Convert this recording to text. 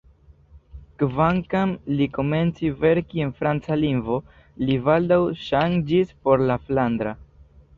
Kvankam li komenci verki en franca lingvo, li baldaŭ ŝanĝis por la flandra.